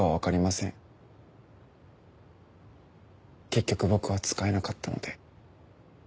結局僕は使えなかったので。